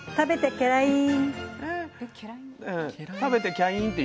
けらいん！